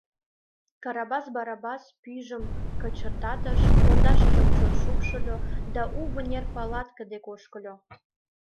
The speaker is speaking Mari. Карабас Барабас пӱйжым кочыртатыш, пондашыжым чот шупшыльо да у вынер палатке дек ошкыльо.